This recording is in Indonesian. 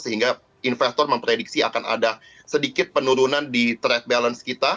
sehingga investor memprediksi akan ada sedikit penurunan di trade balance kita